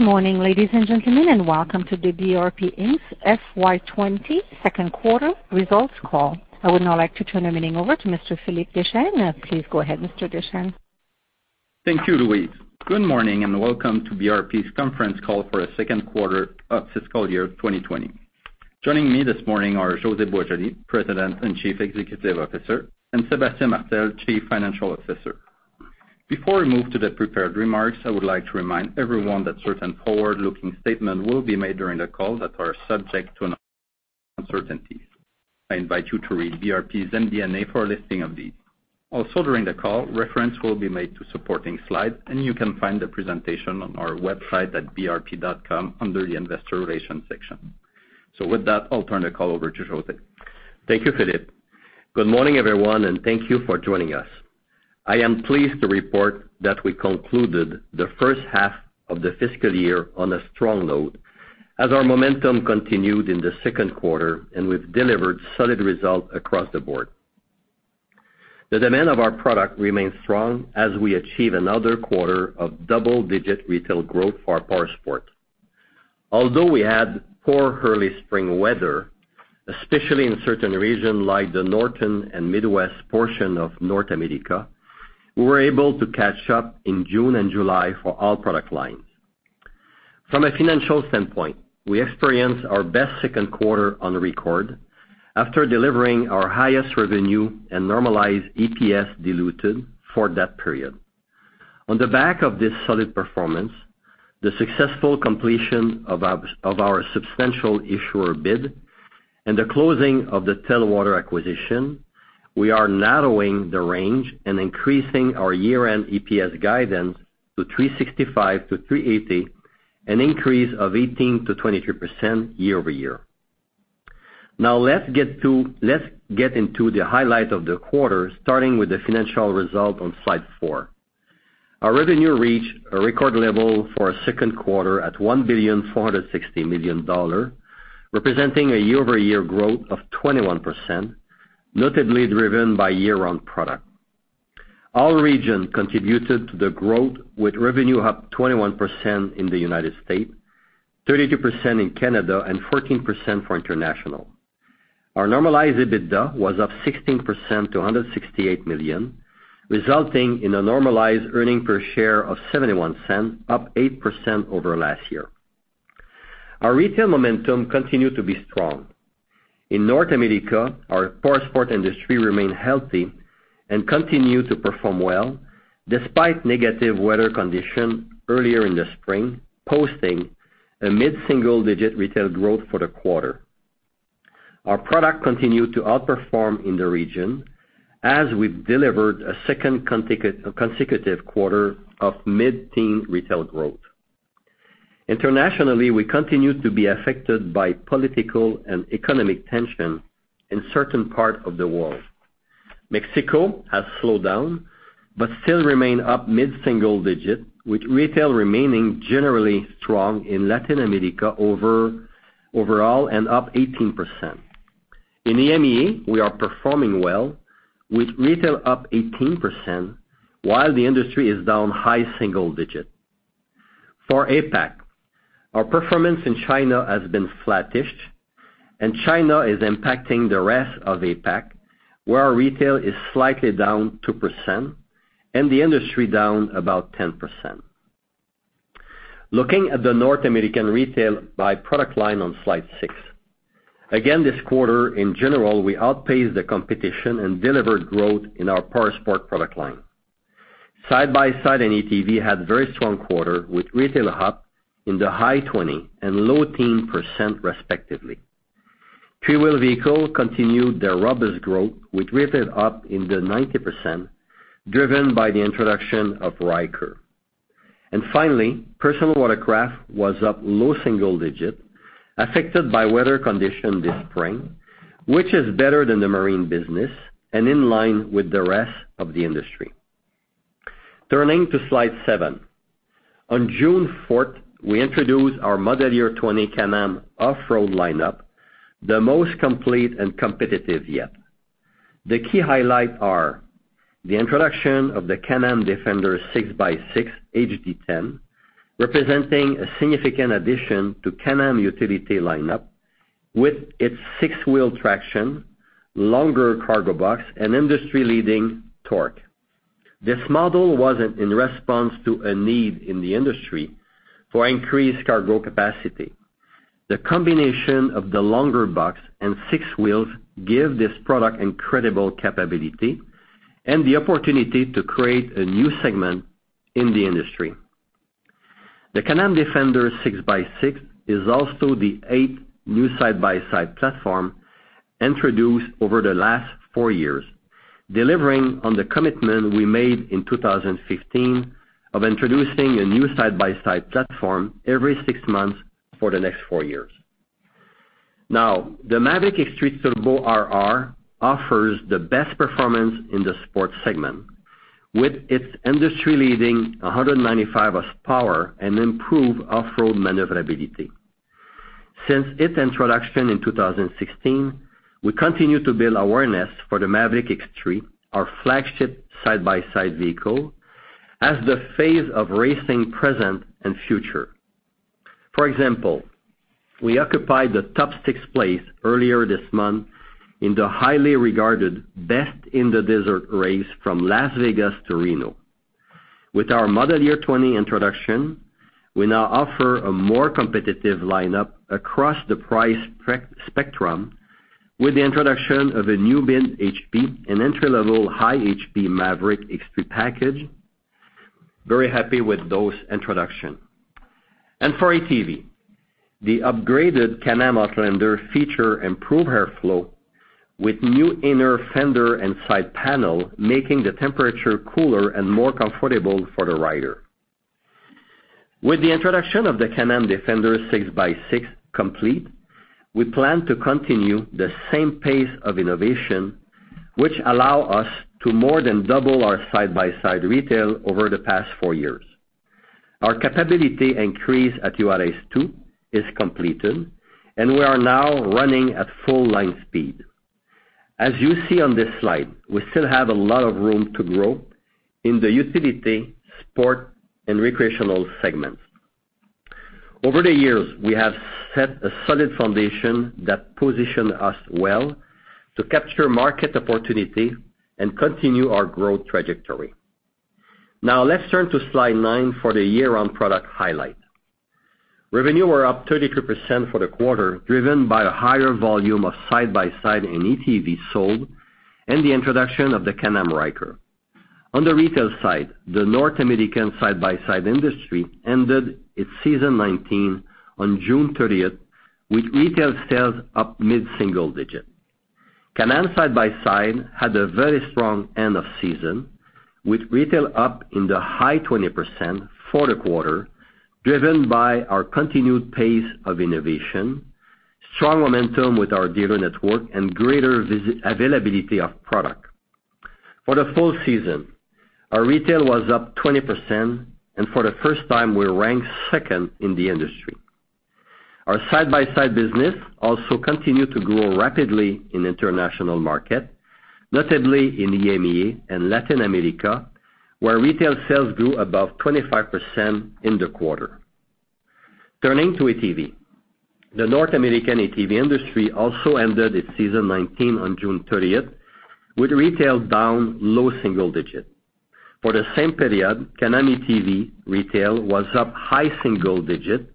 Good morning, ladies and gentlemen, and welcome to the BRP Inc.'s FY 2020 second quarter results call. I would now like to turn the meeting over to Mr. Philippe Deschênes. Please go ahead, Mr. Deschênes. Thank you, Louise. Good morning, and welcome to BRP's conference call for the second quarter of fiscal year 2020. Joining me this morning are José Boisjoli, President and Chief Executive Officer, and Sébastien Martel, Chief Financial Officer. Before we move to the prepared remarks, I would like to remind everyone that certain forward-looking statements will be made during the call that are subject to uncertainties. I invite you to read BRP's MD&A for a listing of these. During the call, reference will be made to supporting slides, and you can find the presentation on our website at brp.com under the investor relations section. With that, I'll turn the call over to José. Thank you, Philippe. Good morning, everyone, and thank you for joining us. I am pleased to report that we concluded the first half of the fiscal year on a strong note as our momentum continued in the second quarter, and we've delivered solid results across the board. The demand of our product remains strong as we achieve another quarter of double-digit retail growth for our powersports. Although we had poor early spring weather, especially in certain regions like the Northern and Midwest portion of North America, we were able to catch up in June and July for all product lines. From a financial standpoint, we experienced our best second quarter on record after delivering our highest revenue and normalized EPS diluted for that period. On the back of this solid performance, the successful completion of our Substantial Issuer Bid and the closing of the Telwater acquisition, we are narrowing the range and increasing our year-end EPS guidance to 3.65-3.80, an increase of 18%-23% year-over-year. Let's get into the highlight of the quarter, starting with the financial result on slide four. Our revenue reached a record level for a second quarter at 1.460 billion, representing a year-over-year growth of 21%, notably driven by year-round product. All regions contributed to the growth, with revenue up 21% in the U.S., 32% in Canada, and 14% for international. Our normalized EBITDA was up 16% to 168 million, resulting in a normalized earnings per share of 0.71, up 8% over last year. Our retail momentum continued to be strong. In North America, our powersports industry remained healthy and continued to perform well despite negative weather conditions earlier in the spring, posting a mid-single-digit retail growth for the quarter. Our product continued to outperform in the region as we've delivered a 2nd consecutive quarter of mid-teen retail growth. Internationally, we continue to be affected by political and economic tension in certain parts of the world. Mexico has slowed down but still remains up mid-single digit, with retail remaining generally strong in Latin America overall and up 18%. In EMEA, we are performing well, with retail up 18%, while the industry is down high single digit. For APAC, our performance in China has been flattish, and China is impacting the rest of APAC, where our retail is slightly down 2% and the industry down about 10%. Looking at the North American retail by product line on slide six. Again, this quarter in general, we outpaced the competition and delivered growth in our powersports product line. Side-by-side and ATV had a very strong quarter, with retail up in the high 20s and low teen % respectively. Three-wheel vehicles continued their robust growth, with retail up in the 90%, driven by the introduction of Ryker. Finally, personal watercraft was up low single digit, affected by weather conditions this spring, which is better than the marine business and in line with the rest of the industry. Turning to slide seven. On June 4th, we introduced our model year 2020 Can-Am off-road lineup, the most complete and competitive yet. The key highlights are the introduction of the Can-Am Defender 6x6 HD10, representing a significant addition to Can-Am utility lineup with its six-wheel traction, longer cargo box, and industry-leading torque. This model was in response to a need in the industry for increased cargo capacity. The combination of the longer box and six wheels give this product incredible capability and the opportunity to create a new segment in the industry. The Can-Am Defender 6x6 is also the eighth new side-by-side platform introduced over the last four years, delivering on the commitment we made in 2015 of introducing a new side-by-side platform every six months for the next four years. Now, the Maverick X3 TURBO RR offers the best performance in the sports segment, with its industry-leading 195 horsepower and improved off-road maneuverability. Since its introduction in 2016, we continue to build awareness for the Maverick X3, our flagship side-by-side vehicle, as the face of racing present and future. For example, we occupied the top six place earlier this month in the highly regarded Best in the Desert race from Las Vegas to Reno. With our model year 2020 introduction, we now offer a more competitive lineup across the price spectrum with the introduction of a new mid-hp, an entry-level high HP Maverick X3 package. Very happy with those introduction. For ATV, the upgraded Can-Am Outlander feature improve airflow with new inner fender and side panel, making the temperature cooler and more comfortable for the rider. With the introduction of the Can-Am Defender 6x6 complete, we plan to continue the same pace of innovation, which allow us to more than double our side-by-side retail over the past four years. Our capability increase at Juarez II, is completed, and we are now running at full line speed. As you see on this slide, we still have a lot of room to grow in the utility, sport, and recreational segments. Over the years, we have set a solid foundation that position us well to capture market opportunity and continue our growth trajectory. Now let's turn to slide nine for the year-on product highlight. Revenue were up 33% for the quarter, driven by a higher volume of side-by-side and ATV sold and the introduction of the Can-Am Ryker. On the retail side, the North American side-by-side industry ended its season 2019 on June 30th, with retail sales up mid-single digit. Can-Am side-by-side had a very strong end of season, with retail up in the high 20% for the quarter, driven by our continued pace of innovation, strong momentum with our dealer network, and greater availability of product. For the full season, our retail was up 20%. For the first time, we ranked second in the industry. Our side-by-side business also continued to grow rapidly in international market, notably in EMEA and Latin America, where retail sales grew above 25% in the quarter. Turning to ATV. The North American ATV industry also ended its season 2019 on June 30th, with retail down low single digit. For the same period, Can-Am ATV retail was up high single digit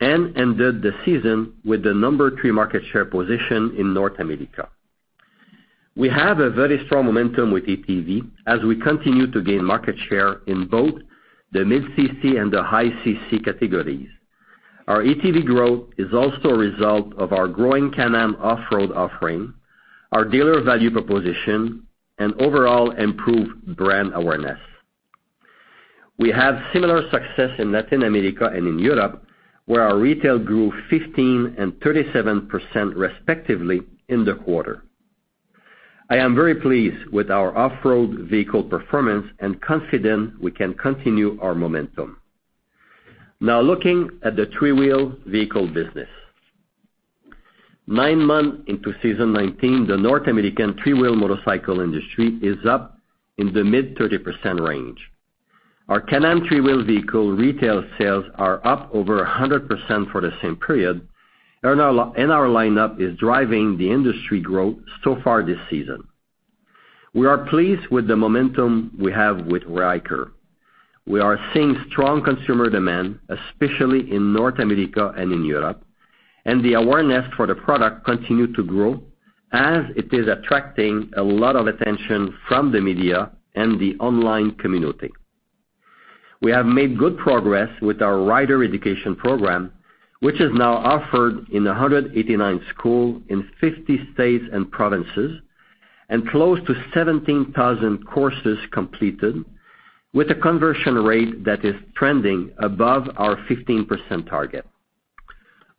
and ended the season with the number 3 market share position in North America. We have a very strong momentum with ATV as we continue to gain market share in both the mid-CC and the high-CC categories. Our ATV growth is also a result of our growing Can-Am off-road offering, our dealer value proposition, and overall improved brand awareness. We have similar success in Latin America and in Europe, where our retail grew 15% and 37% respectively in the quarter. I am very pleased with our off-road vehicle performance and confident I can continue our momentum. Now looking at the three-wheel vehicle business. nine months into season 2019, the North American three-wheel motorcycle industry is up in the mid 30% range. Our Can-Am three-wheel vehicle retail sales are up over 100% for the same period, and our lineup is driving the industry growth so far this season. We are pleased with the momentum we have with Ryker. We are seeing strong consumer demand, especially in North America and in Europe, and the awareness for the product continue to grow as it is attracting a lot of attention from the media and the online community. We have made good progress with our rider education program, which is now offered in 189 schools in 50 states and provinces and close to 17,000 courses completed with a conversion rate that is trending above our 15% target.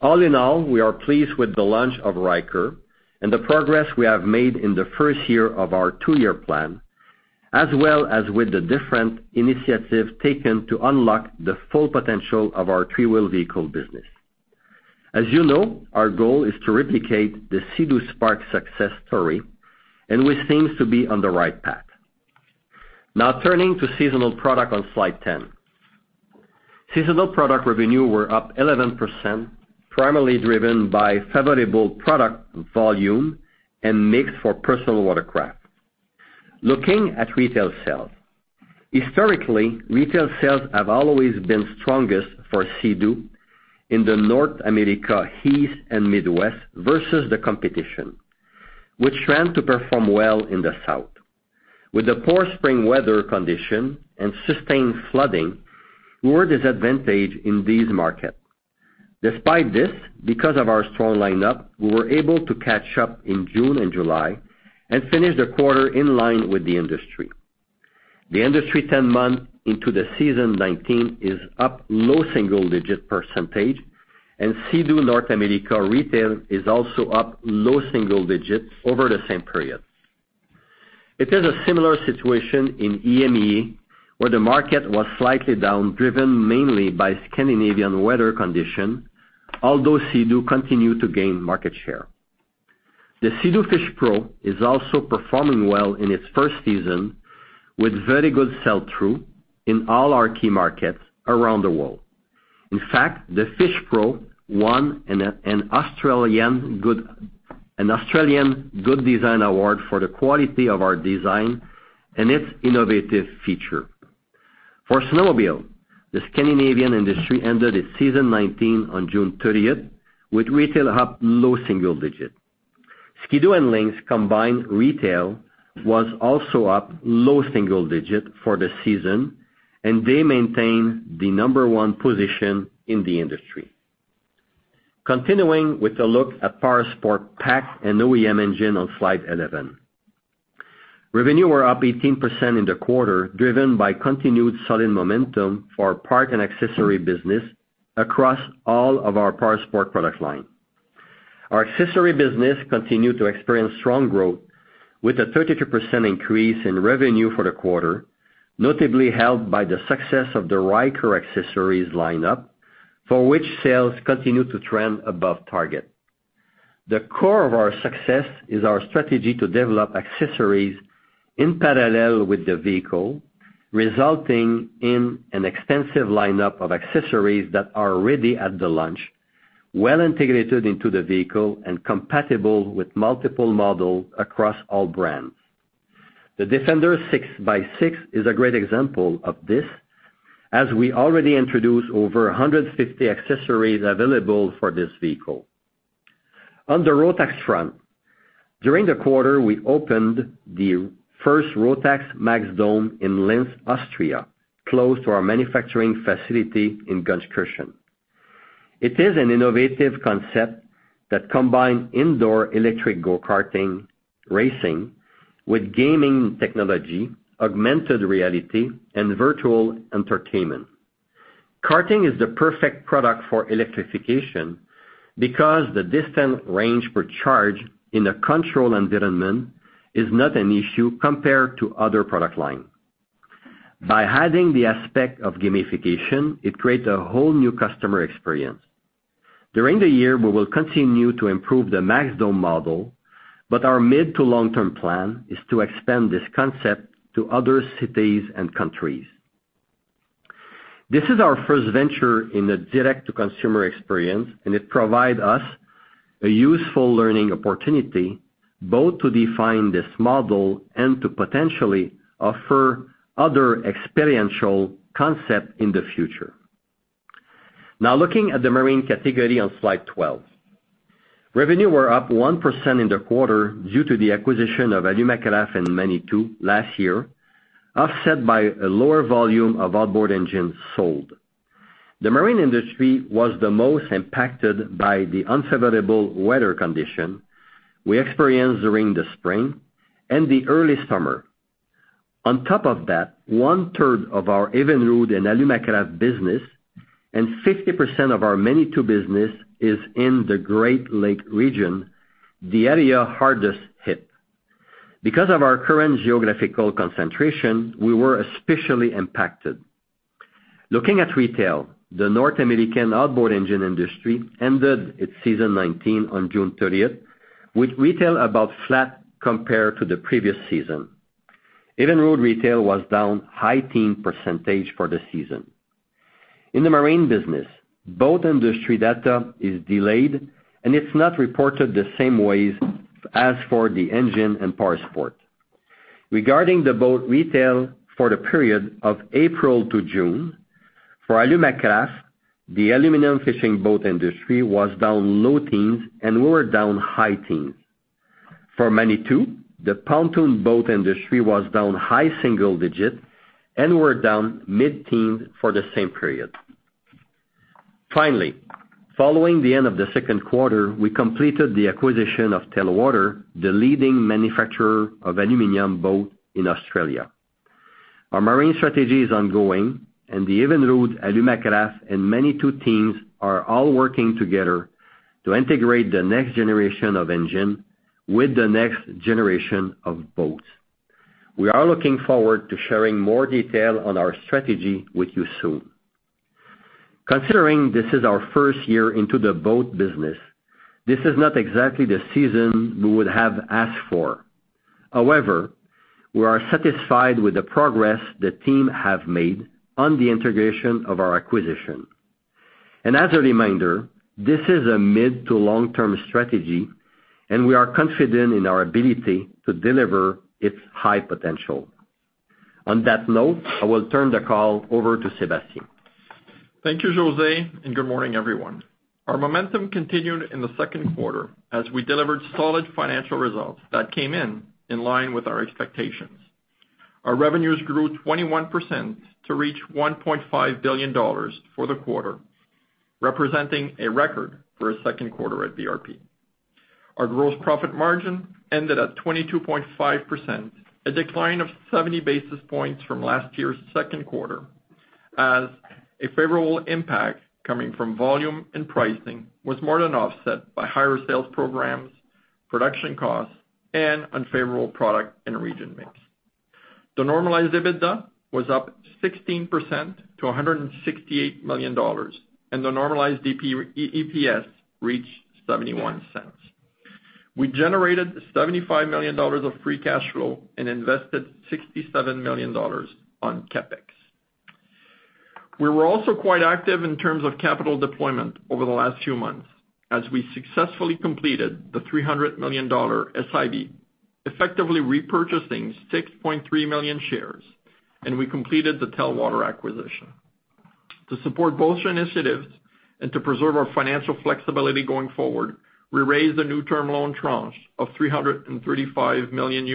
All in all, we are pleased with the launch of Ryker and the progress we have made in the first year of our two-year plan, as well as with the different initiatives taken to unlock the full potential of our three-wheel vehicle business. As you know, our goal is to replicate the Sea-Doo Spark success story. We seems to be on the right path. Turning to seasonal product on slide 10. Seasonal product revenue were up 11%, primarily driven by favorable product volume and mix for personal watercraft. Looking at retail sales. Historically, retail sales have always been strongest for Sea-Doo in the North America East and Midwest versus the competition, which trend to perform well in the South. With the poor spring weather condition and sustained flooding, we were disadvantaged in these markets. Despite this, because of our strong lineup, we were able to catch up in June and July and finish the quarter in line with the industry. The industry 10 month into the season 2019 is up low single-digit percentage, and Sea-Doo North America retail is also up low single-digits over the same period. It is a similar situation in EMEA, where the market was slightly down, driven mainly by Scandinavian weather condition, although Sea-Doo continued to gain market share. The Sea-Doo Fish Pro is also performing well in its first season, with very good sell-through in all our key markets around the world. In fact, the Fish Pro won an Australian Good Design Award for the quality of our design and its innovative feature. For Snowmobile, the Scandinavian industry ended its season 2019 on June 30th with retail up low single digits. Ski-Doo and Lynx combined retail was also up low single digit for the season, and they maintain the number one position in the industry. Continuing with a look at Powersport PA&A and OEM engine on slide 11. Revenue were up 18% in the quarter, driven by continued solid momentum for our part and accessory business across all of our Powersport product line. Our accessory business continued to experience strong growth with a 32% increase in revenue for the quarter, notably helped by the success of the Ryker accessories line up, for which sales continue to trend above target. The core of our success is our strategy to develop accessories in parallel with the vehicle, resulting in an extensive lineup of accessories that are ready at the launch, well integrated into the vehicle, and compatible with multiple models across all brands. The Defender 6x6 is a great example of this, as we already introduced over 150 accessories available for this vehicle. On the Rotax front, during the quarter, we opened the first Rotax MAX Dome in Linz, Austria, close to our manufacturing facility in Gunskirchen. It is an innovative concept that combines indoor electric go-karting racing with gaming technology, augmented reality, and virtual entertainment. Karting is the perfect product for electrification because the distance range per charge in a controlled environment is not an issue compared to other product line. By adding the aspect of gamification, it creates a whole new customer experience. During the year, we will continue to improve the Rotax MAX Dome model, but our mid to long-term plan is to expand this concept to other cities and countries. This is our first venture in a direct-to-consumer experience, and it provide us a useful learning opportunity, both to define this model and to potentially offer other experiential concept in the future. Now looking at the Marine category on slide 12. Revenue were up 1% in the quarter due to the acquisition of Alumacraft and Manitou last year, offset by a lower volume of outboard engines sold. The Marine industry was the most impacted by the unfavorable weather condition we experienced during the spring and the early summer. On top of that, one-third of our Evinrude and Alumacraft business and 60% of our Manitou business is in the Great Lakes region, the area hardest hit. Because of our current geographical concentration, we were especially impacted. Looking at retail, the North American outboard engine industry ended its season 2019 on June 30th, with retail about flat compared to the previous season. Evinrude retail was down high-teen % for the season. In the Marine business, boat industry data is delayed, and it's not reported the same way as for the engine and powersports. Regarding the boat retail for the period of April to June, for Alumacraft, the aluminum fishing boat industry was down low-teens, and we were down high-teens. For Manitou, the pontoon boat industry was down high-single-digit, and we're down mid-teens for the same period. Finally, following the end of the second quarter, we completed the acquisition of Telwater, the leading manufacturer of aluminum boat in Australia. Our Marine strategy is ongoing, and the Evinrude, Alumacraft, and Manitou teams are all working together to integrate the next generation of engine with the next generation of boats. We are looking forward to sharing more detail on our strategy with you soon. Considering this is our first year into the boat business, this is not exactly the season we would have asked for. However, we are satisfied with the progress the team have made on the integration of our acquisition. As a reminder, this is a mid to long-term strategy, and we are confident in our ability to deliver its high potential. On that note, I will turn the call over to Sébastien. Thank you, José, and good morning, everyone. Our momentum continued in the second quarter as we delivered solid financial results that came in line with our expectations. Our revenues grew 21% to reach 1.5 billion dollars for the quarter, representing a record for a second quarter at BRP. Our gross profit margin ended at 22.5%, a decline of 70 basis points from last year's second quarter, as a favorable impact coming from volume and pricing was more than offset by higher sales programs, production costs, and unfavorable product and region mix. The normalized EBITDA was up 16% to 168 million dollars, and the normalized EPS reached 0.71. We generated 75 million dollars of free cash flow and invested 67 million dollars on CapEx. We were also quite active in terms of capital deployment over the last few months as we successfully completed the 300 million dollar SIB, effectively repurchasing 6.3 million shares, and we completed the Telwater acquisition. To support both initiatives and to preserve our financial flexibility going forward, we raised a new term loan tranche of CAD 335 million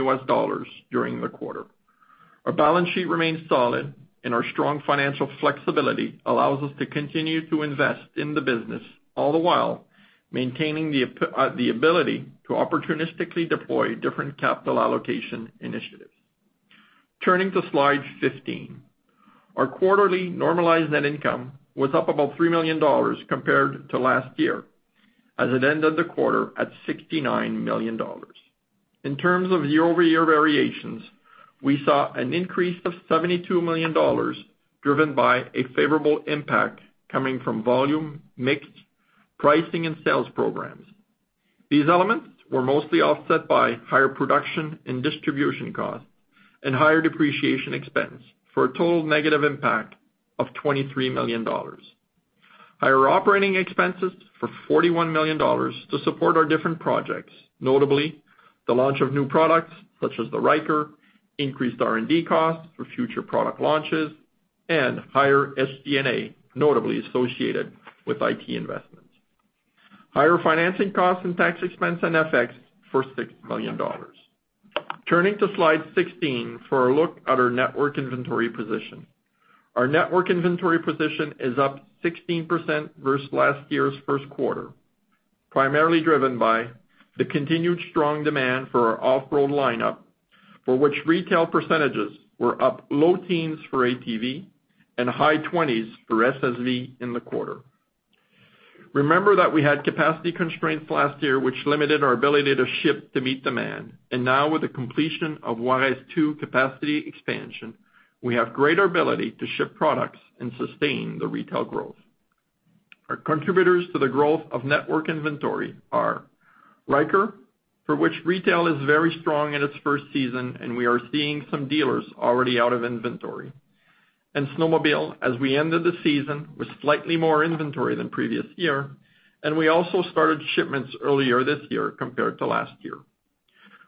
during the quarter. Our balance sheet remains solid. Our strong financial flexibility allows us to continue to invest in the business, all the while maintaining the ability to opportunistically deploy different capital allocation initiatives. Turning to slide 15. Our quarterly normalized net income was up about 3 million dollars compared to last year, as it ended the quarter at 69 million dollars. In terms of year-over-year variations, we saw an increase of 72 million dollars, driven by a favorable impact coming from volume, mix, pricing, and sales programs. These elements were mostly offset by higher production and distribution costs and higher depreciation expense for a total negative impact of 23 million dollars. Higher operating expenses for 41 million dollars to support our different projects, notably the launch of new products such as the Ryker, increased R&D costs for future product launches, and higher SG&A, notably associated with IT investments. Higher financing costs and tax expense and FX for 6 million dollars. Turning to slide 16 for a look at our network inventory position. Our network inventory position is up 16% versus last year's first quarter, primarily driven by the continued strong demand for our off-road lineup, for which retail percentages were up low teens for ATV and high 20s for SSV in the quarter. Remember that we had capacity constraints last year, which limited our ability to ship to meet demand. Now with the completion of Juárez II capacity expansion, we have greater ability to ship products and sustain the retail growth. Our contributors to the growth of network inventory are Ryker, for which retail is very strong in its first season, and we are seeing some dealers already out of inventory. Snowmobile, as we ended the season with slightly more inventory than previous year, and we also started shipments earlier this year compared to last year.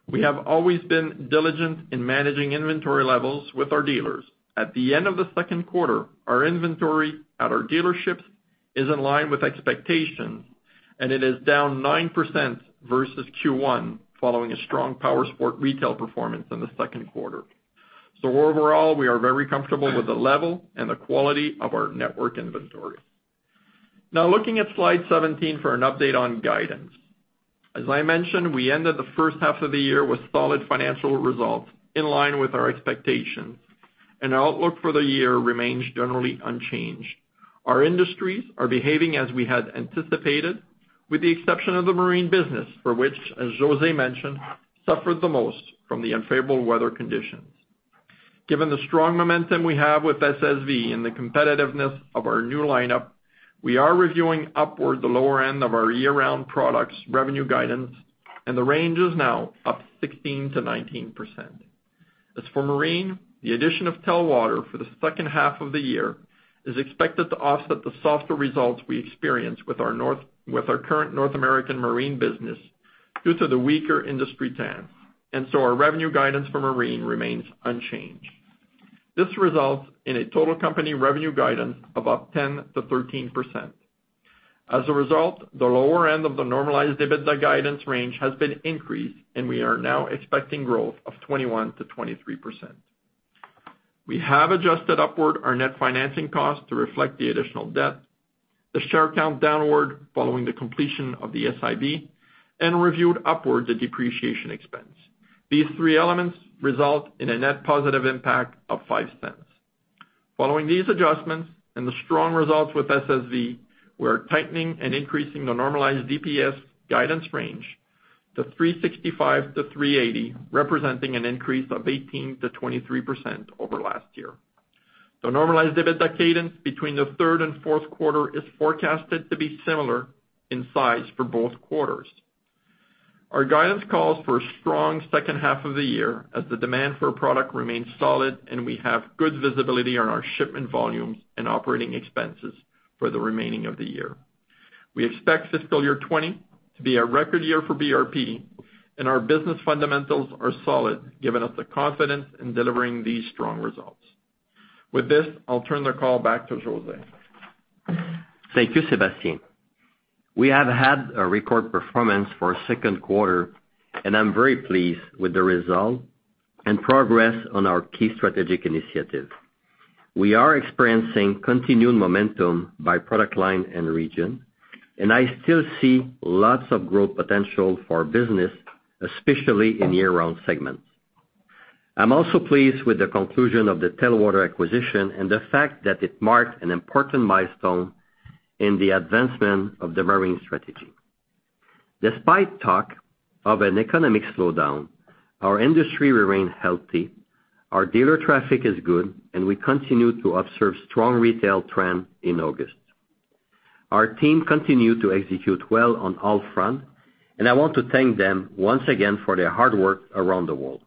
We have always been diligent in managing inventory levels with our dealers. At the end of the second quarter, our inventory at our dealerships is in line with expectations, and it is down 9% versus Q1, following a strong powersports retail performance in the second quarter. Overall, we are very comfortable with the level and the quality of our network inventory. Now looking at slide 17 for an update on guidance. As I mentioned, we ended the first half of the year with solid financial results in line with our expectations, and our outlook for the year remains generally unchanged. Our industries are behaving as we had anticipated, with the exception of the Marine business, for which, as José mentioned, suffered the most from the unfavorable weather conditions. Given the strong momentum we have with SSV and the competitiveness of our new lineup, we are reviewing upward the lower end of our year-round products revenue guidance, and the range is now up 16%-19%. As for Marine, the addition of Telwater for the second half of the year is expected to offset the softer results we experience with our current North American Marine business due to the weaker industry trends. Our revenue guidance for Marine remains unchanged. This results in a total company revenue guidance of up 10%-13%. The lower end of the normalized EBITDA guidance range has been increased, and we are now expecting growth of 21%-23%. We have adjusted upward our net financing cost to reflect the additional debt, the share count downward following the completion of the SIB, and reviewed upward the depreciation expense. These three elements result in a net positive impact of 0.05. Following these adjustments and the strong results with SSV, we are tightening and increasing the normalized EPS guidance range to 3.65-3.80, representing an increase of 18%-23% over last year. The normalized EBITDA cadence between the third and fourth quarter is forecasted to be similar in size for both quarters. Our guidance calls for a strong second half of the year as the demand for our product remains solid and we have good visibility on our shipment volumes and operating expenses for the remaining of the year. We expect fiscal year 2020 to be a record year for BRP, and our business fundamentals are solid, giving us the confidence in delivering these strong results. With this, I'll turn the call back to José. Thank you, Sébastien. We have had a record performance for our second quarter, and I'm very pleased with the result and progress on our key strategic initiatives. We are experiencing continuing momentum by product line and region, and I still see lots of growth potential for our business, especially in year-round segments. I'm also pleased with the conclusion of the Telwater acquisition and the fact that it marked an important milestone in the advancement of the marine strategy. Despite talk of an economic slowdown, our industry remains healthy, our dealer traffic is good, and we continue to observe strong retail trend in August. Our team continued to execute well on all front, and I want to thank them once again for their hard work around the world.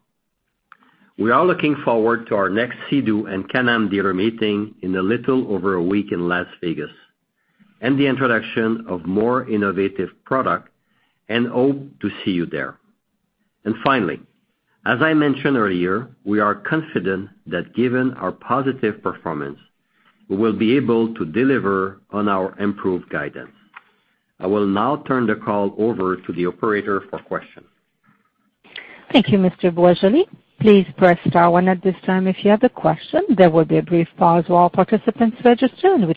We are looking forward to our next Sea-Doo and Can-Am dealer meeting in a little over a week in Las Vegas, and the introduction of more innovative product, and hope to see you there. Finally, as I mentioned earlier, we are confident that given our positive performance, we will be able to deliver on our improved guidance. I will now turn the call over to the operator for questions. Thank you, Mr. Boisjoli. Please press star one at this time if you have a question. There will be a brief pause while participants register and we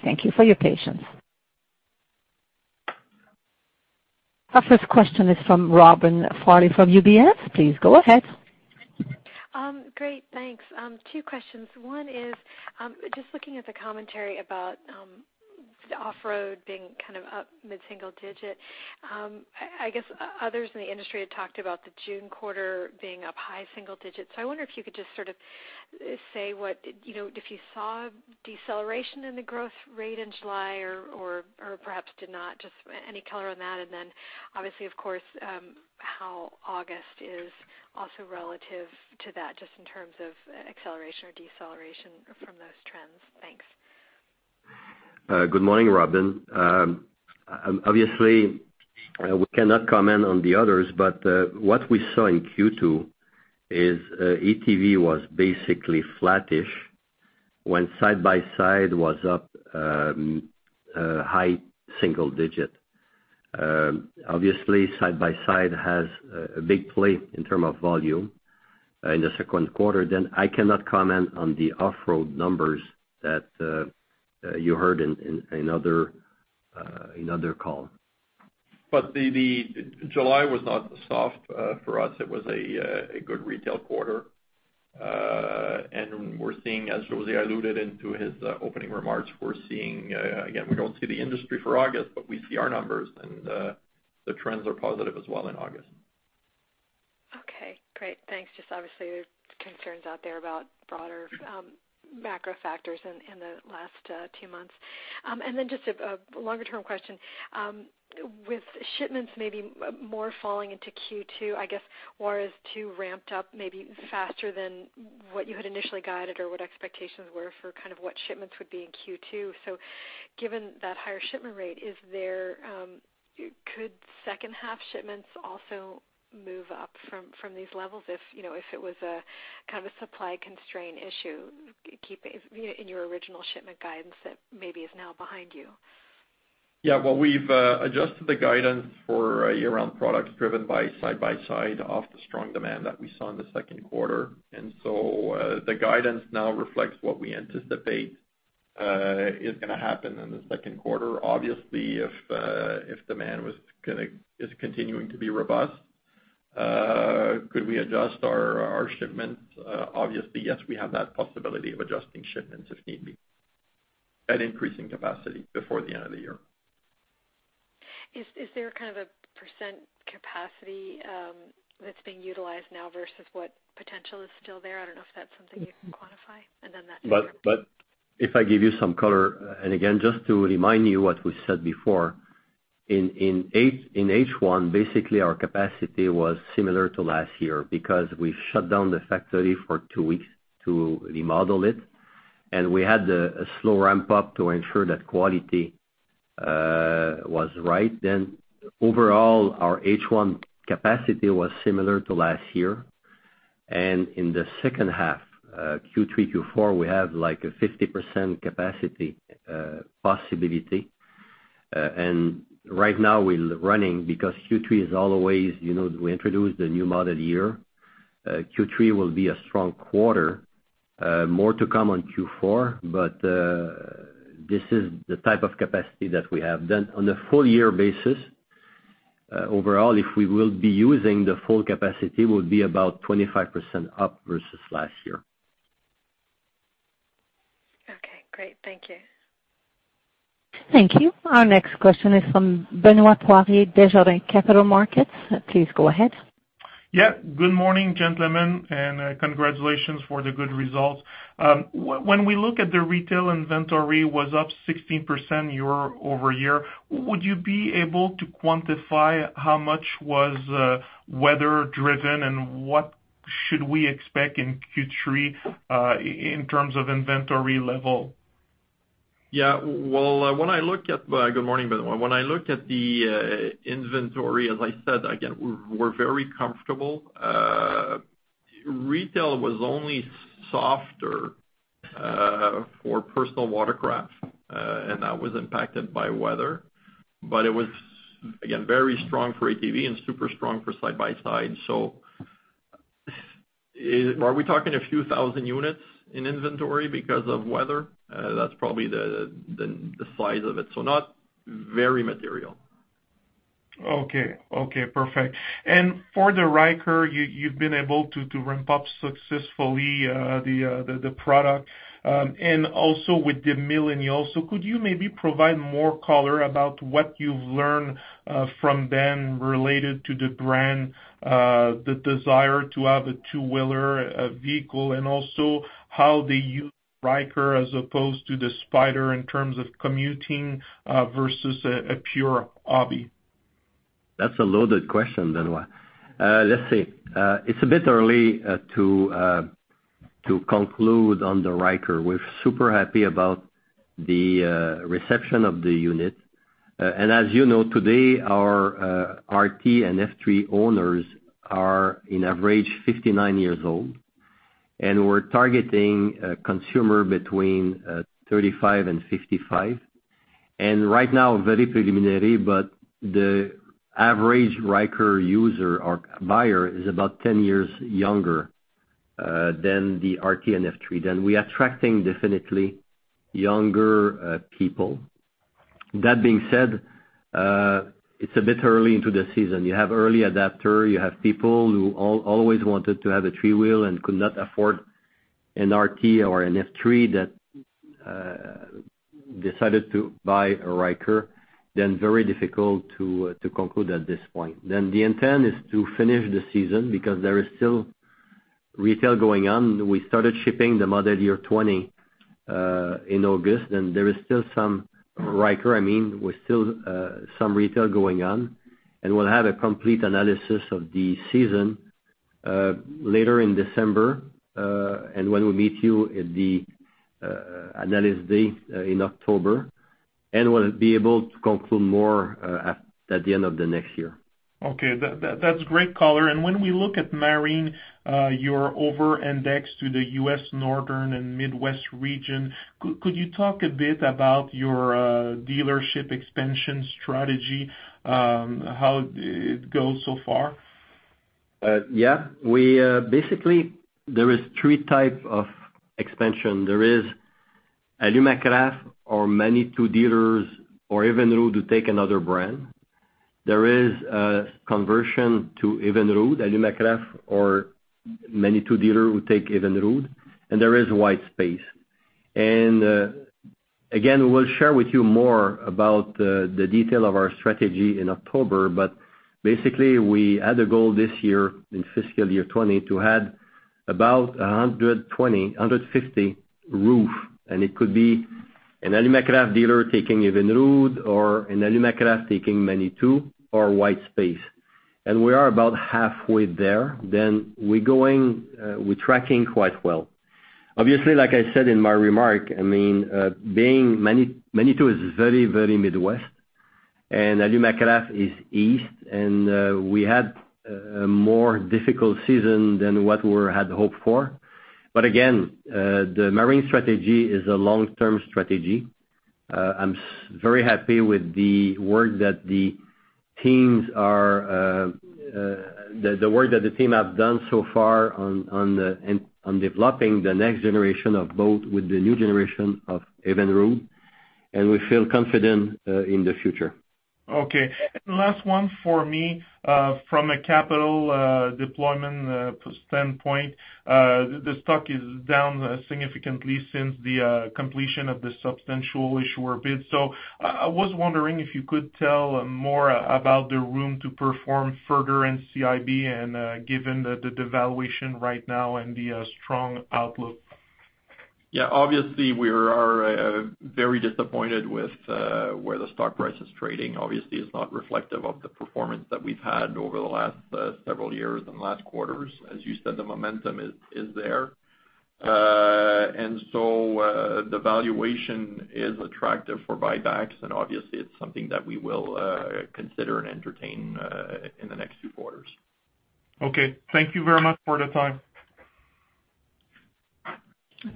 thank you for your patience. Our first question is from Robin Farley from UBS. Please go ahead. Great, thanks. Two questions. One is, just looking at the commentary about off-road being up mid-single digit. I guess others in the industry had talked about the June quarter being up high single digits. I wonder if you could just sort of say if you saw deceleration in the growth rate in July or perhaps did not. Just any color on that, and then obviously, of course, how August is also relative to that, just in terms of acceleration or deceleration from those trends. Thanks. Good morning, Robin. Obviously, we cannot comment on the others, but what we saw in Q2 is ATV was basically flattish when side-by-side was up high single digit. Obviously, side-by-side has a big play in terms of volume in the second quarter. I cannot comment on the off-road numbers that you heard in other call. The July was not soft for us. It was a good retail quarter. We're seeing, as José alluded into his opening remarks, again, we don't see the industry for August, but we see our numbers, and the trends are positive as well in August. Okay, great. Thanks. Just obviously there are concerns out there about broader macro factors in the last two months. Just a longer term question. With shipments maybe more falling into Q2, I guess, or it's ramped up maybe faster than what you had initially guided or what expectations were for kind of what shipments would be in Q2. Given that higher shipment rate, could second half shipments also move up from these levels if it was a kind of a supply constraint issue keeping in your original shipment guidance that maybe is now behind you? Yeah. Well, we've adjusted the guidance for year-round products driven by side-by-side off the strong demand that we saw in the second quarter. The guidance now reflects what we anticipate is going to happen in the second quarter. Obviously, if demand is continuing to be robust, could we adjust our shipments? Obviously, yes, we have that possibility of adjusting shipments if need be, and increasing capacity before the end of the year. Is there kind of a % capacity that's being utilized now versus what potential is still there? I don't know if that's something you can quantify. If I give you some color, and again, just to remind you what we said before, in H1, basically our capacity was similar to last year because we shut down the factory for two weeks to remodel it, and we had a slow ramp up to ensure that quality was right. Overall, our H1 capacity was similar to last year. In the second half, Q3, Q4, we have like a 50% capacity possibility. Right now we're running because Q3 is always, we introduce the new model year. Q3 will be a strong quarter. More to come on Q4, but this is the type of capacity that we have. On a full year basis, overall, if we will be using the full capacity, will be about 25% up versus last year. Okay, great. Thank you. Thank you. Our next question is from Benoit Poirier, Desjardins Capital Markets. Please go ahead. Yeah. Good morning, gentlemen, and congratulations for the good results. When we look at the retail inventory was up 16% year-over-year, would you be able to quantify how much was weather driven and what should we expect in Q3 in terms of inventory level? Yeah. Good morning, Benoit. When I look at the inventory, as I said, again, we're very comfortable. Retail was only softer for personal watercraft, and that was impacted by weather. But it was, again, very strong for ATV and super strong for side-by-side. Are we talking a few thousand units in inventory because of weather? That's probably the size of it. Not very material. Okay, perfect. For the Ryker, you've been able to ramp up successfully the product, and also with the Millennials. Could you maybe provide more color about what you've learned from them related to the brand, the desire to have a two-wheeler vehicle, and also how they use Ryker as opposed to the Spyder in terms of commuting versus a pure hobby? That's a loaded question, Benoit. Let's see. It's a bit early to conclude on the Ryker. We're super happy about the reception of the unit. As you know, today, our RT and F3 owners are in average 59 years old, and we're targeting a consumer between 35 and 55. Right now, very preliminary, but the average Ryker user or buyer is about 10 years younger than the RT and F3. We are attracting, definitely, younger people. That being said, it's a bit early into the season. You have early adopter, you have people who always wanted to have a three-wheel and could not afford an RT or an F3 that decided to buy a Ryker. Very difficult to conclude at this point. The intent is to finish the season because there is still retail going on. We started shipping the model year 2020 in August. There is still some Ryker, with still some retail going on. We'll have a complete analysis of the season later in December, and when we meet you at the analysis day in October, and we'll be able to conclude more at the end of the next year. Okay. That's great color. When we look at Marine, you're over-indexed to the U.S. Northern and Midwest region. Could you talk a bit about your dealership expansion strategy, how it goes so far? Yeah. Basically, there is 3 type of expansion. There is Alumacraft or Manitou dealers or Evinrude who take another brand. There is a conversion to Evinrude, Alumacraft or Manitou dealer who take Evinrude, there is white space. Again, we'll share with you more about the detail of our strategy in October, but basically we had a goal this year in fiscal year 2020 to add about 120, 150 roof. It could be an Alumacraft dealer taking Evinrude or an Alumacraft taking Manitou or white space. We are about halfway there. We're tracking quite well. Obviously, like I said in my remark, Manitou is very Midwest, Alumacraft is East, we had a more difficult season than what we had hoped for. Again, the Marine strategy is a long-term strategy. I'm very happy with the work that the team have done so far on developing the next generation of boats with the new generation of Evinrude. We feel confident in the future. Okay. Last one for me, from a capital deployment standpoint, the stock is down significantly since the completion of the substantial issuer bid. I was wondering if you could tell more about the room to perform further in SIB and given the valuation right now and the strong outlook. Yeah. Obviously, we are very disappointed with where the stock price is trading. Obviously, it's not reflective of the performance that we've had over the last several years and last quarters. As you said, the momentum is there. The valuation is attractive for buybacks, and obviously, it's something that we will consider and entertain in the next few quarters. Okay. Thank you very much for the time.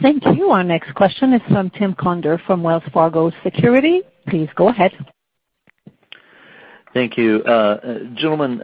Thank you. Our next question is from Tim Conder from Wells Fargo Securities. Please go ahead. Thank you. Gentlemen,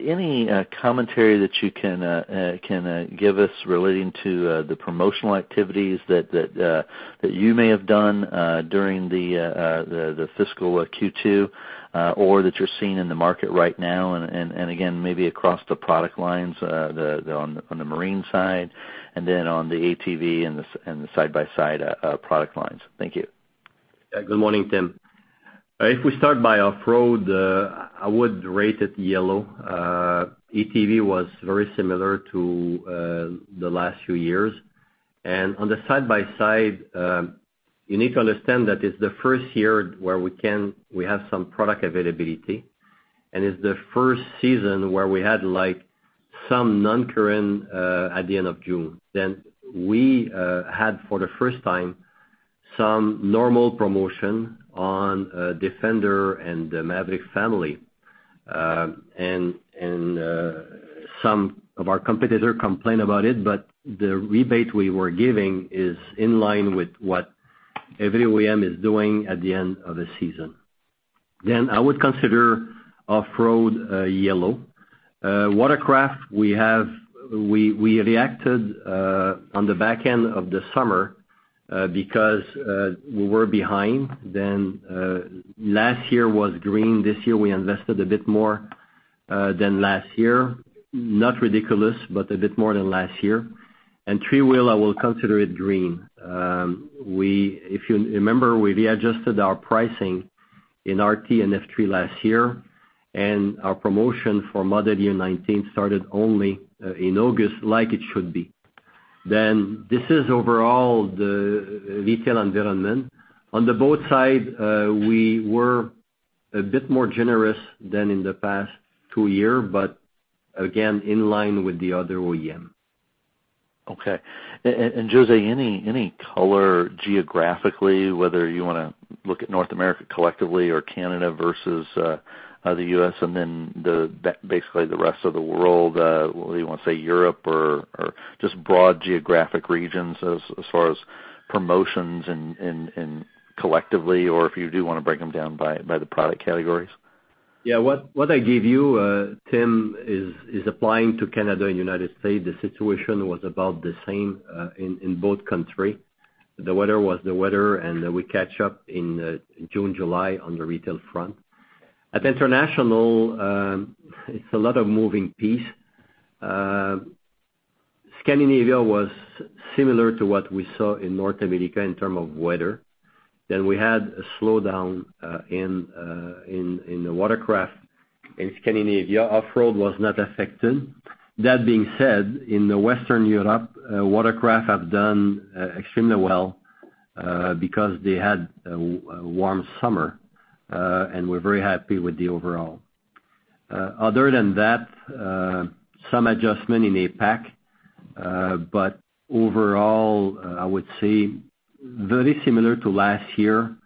any commentary that you can give us relating to the promotional activities that you may have done during the fiscal Q2 or that you're seeing in the market right now, and again, maybe across the product lines on the Marine side, and then on the ATV and the side-by-side product lines? Thank you. Good morning, Tim. If we start by off-road, I would rate it yellow. ATV was very similar to the last few years. On the side by side, you need to understand that it's the first year where we have some product availability, and it's the first season where we had some non-current at the end of June. We had, for the first time, some normal promotion on Defender and the Maverick family. Some of our competitor complain about it, but the rebate we were giving is in line with what every OEM is doing at the end of a season. I would consider off-road yellow. Watercraft, we reacted on the back end of the summer because we were behind then. Last year was green. This year we invested a bit more than last year. Not ridiculous, but a bit more than last year. Three-wheel, I will consider it green. If you remember, we readjusted our pricing in RT and F3 last year, and our promotion for model year 2019 started only in August, like it should be. This is overall the retail environment. On the boat side, we were a bit more generous than in the past two year, but again, in line with the other OEM. Okay. José, any color geographically, whether you want to look at North America collectively or Canada versus the U.S. and then basically the rest of the world, whether you want to say Europe or just broad geographic regions as far as promotions and collectively, or if you do want to break them down by the product categories? Yeah. What I gave you, Tim, is applying to Canada and U.S. The situation was about the same in both countries. The weather was the weather. We catch up in June, July on the retail front. At international, it's a lot of moving piece. Scandinavia was similar to what we saw in North America in term of weather. We had a slowdown in the watercraft in Scandinavia. Off-road was not affected. That being said, in the Western Europe, watercraft have done extremely well because they had a warm summer and we're very happy with the overall. Other than that, some adjustment in APAC. Overall, I would say very similar to last year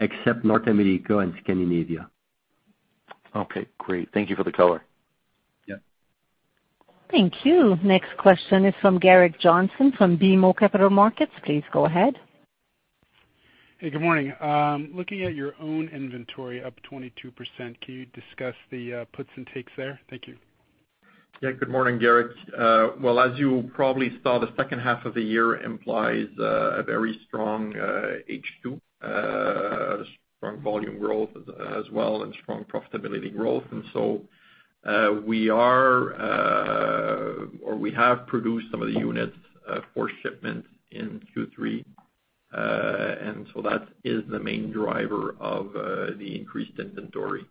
except North America and Scandinavia. Okay, great. Thank you for the color. Yeah. Thank you. Next question is from Gerrick Johnson from BMO Capital Markets. Please go ahead. Hey, good morning. Looking at your own inventory up 22%, can you discuss the puts and takes there? Thank you. Yeah, good morning, Gerrick. Well, as you probably saw, the second half of the year implies a very strong H2. A strong volume growth as well, and strong profitability growth. We have produced some of the units for shipment in Q3. That is the main driver of the increased inventory.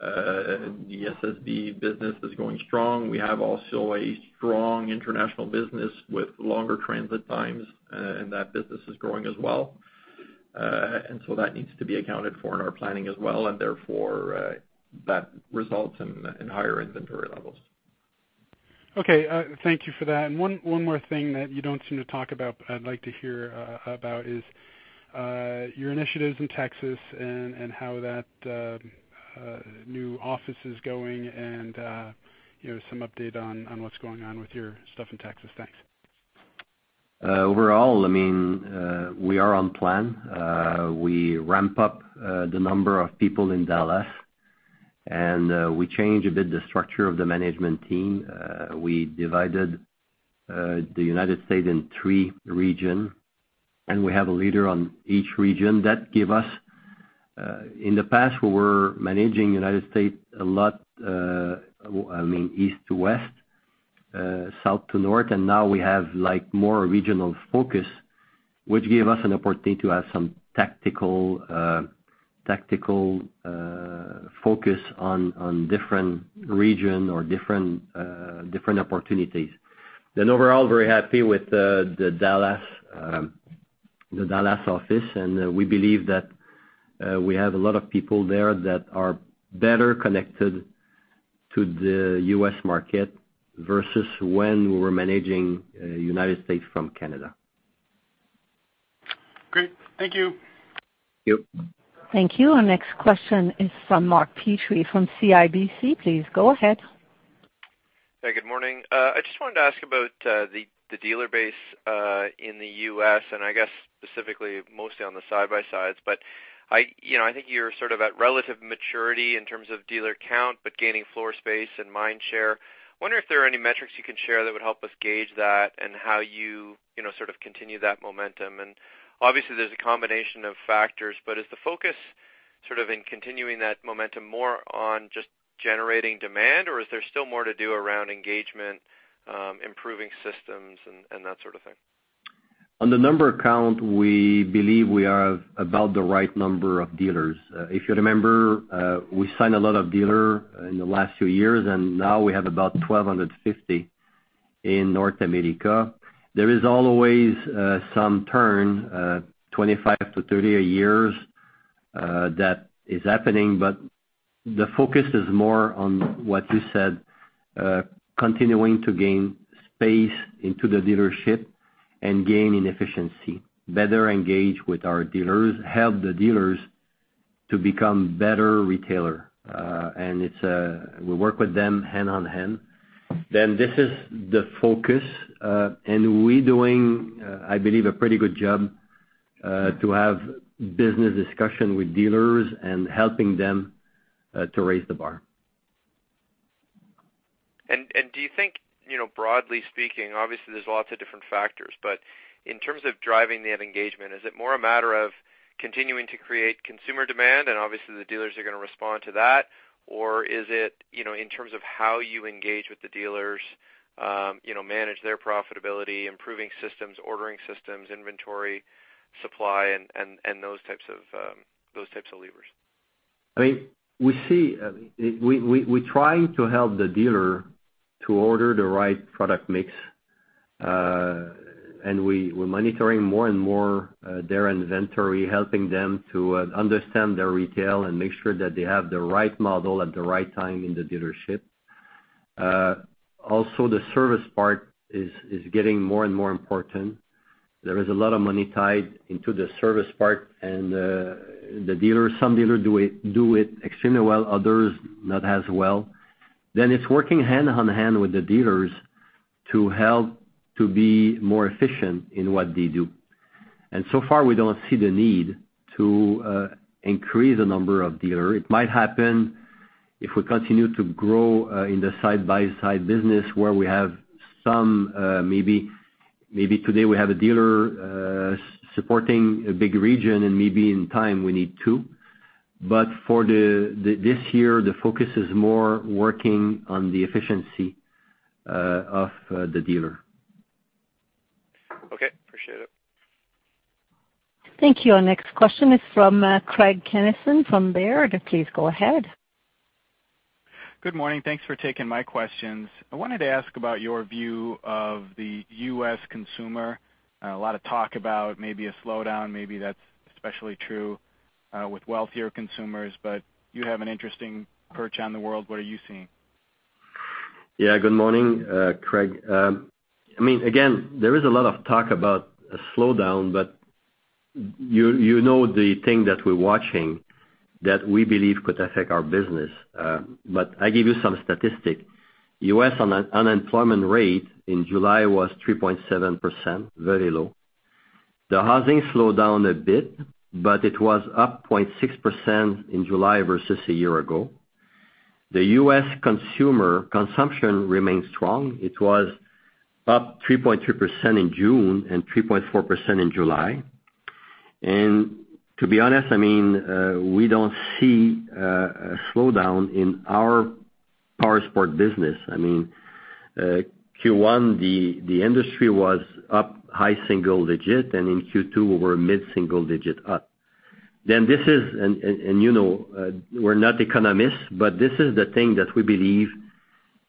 The SSV business is going strong. We have also a strong international business with longer transit times and that business is growing as well. That needs to be accounted for in our planning as well, and therefore, that results in higher inventory levels. Okay. Thank you for that. One more thing that you don't seem to talk about, but I'd like to hear about is your initiatives in Texas and how that new office is going and some update on what's going on with your stuff in Texas. Thanks. Overall, we are on plan. We ramp up the number of people in Dallas, and we change a bit the structure of the management team. We divided the U.S. in three regions, and we have a leader on each region. In the past, we were managing U.S. a lot, east to west, south to north, and now we have more regional focus, which gave us an opportunity to have some tactical focus on different regions or different opportunities. Overall, very happy with the Dallas office. We believe that we have a lot of people there that are better connected to the U.S. market versus when we were managing U.S. from Canada. Great. Thank you. Thank you. Thank you. Our next question is from Mark Petrie from CIBC. Please go ahead. Hey, good morning. I just wanted to ask about the dealer base in the U.S. and I guess specifically mostly on the side-by-sides, but I think you're sort of at relative maturity in terms of dealer count, but gaining floor space and mind share. Wonder if there are any metrics you can share that would help us gauge that and how you sort of continue that momentum. Obviously there's a combination of factors, but is the focus sort of in continuing that momentum more on just generating demand, or is there still more to do around engagement, improving systems and that sort of thing? On the number count, we believe we are about the right number of dealers. If you remember, we signed a lot of dealer in the last few years, and now we have about 1,250 in North America. There is always some turn, 25 to 30 a years, that is happening. The focus is more on what you said, continuing to gain space into the dealership and gain in efficiency, better engage with our dealers, help the dealers to become better retailer. We work with them hand on hand. This is the focus, and we're doing, I believe, a pretty good job to have business discussion with dealers and helping them to raise the bar. Do you think, broadly speaking, obviously, there's lots of different factors, but in terms of driving that engagement, is it more a matter of continuing to create consumer demand and obviously the dealers are going to respond to that? Or is it, in terms of how you engage with the dealers, manage their profitability, improving systems, ordering systems, inventory, supply, and those types of levers? We try to help the dealer to order the right product mix. We're monitoring more and more their inventory, helping them to understand their retail and make sure that they have the right model at the right time in the dealership. Also, the service part is getting more and more important. There is a lot of money tied into the service part, and some dealers do it extremely well, others not as well. It's working hand-in-hand with the dealers to help to be more efficient in what they do. So far, we don't see the need to increase the number of dealers. It might happen if we continue to grow in the side-by-side business, where we have maybe today we have a dealer supporting a big region, and maybe in time we need two. For this year, the focus is more working on the efficiency of the dealer. Okay. Appreciate it. Thank you. Our next question is from Craig Kennison from Baird. Please go ahead. Good morning. Thanks for taking my questions. I wanted to ask about your view of the U.S. consumer. A lot of talk about maybe a slowdown, maybe that's especially true with wealthier consumers, but you have an interesting perch on the world. What are you seeing? Good morning, Craig. There is a lot of talk about a slowdown, you know the thing that we're watching that we believe could affect our business. I give you some statistics. U.S. unemployment rate in July was 3.7%, very low. The housing slowed down a bit, it was up 0.6% in July versus a year ago. The U.S. consumer consumption remains strong. It was up 3.3% in June and 3.4% in July. To be honest, we don't see a slowdown in our powersport business. Q1, the industry was up high single digit, in Q2, we were mid-single digit up. You know we're not economists, this is the thing that we believe